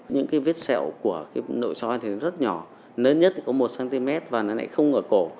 những cái vết sẹo của cái nội soi thì nó rất nhỏ lớn nhất thì có một cm và nó lại không ở cổ